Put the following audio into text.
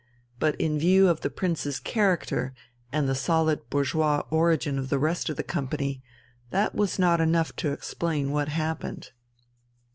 But in view of the Prince's character and the solid bourgeois origin of the rest of the company, that was not enough to explain what happened.